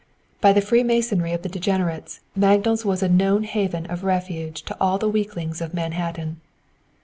By the freemasonry of the degenerates, Magdal's was a known haven of refuge to all the weaklings of Manhattan.